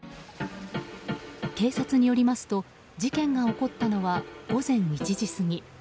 警察によりますと事件が起こったのは午前１時過ぎ。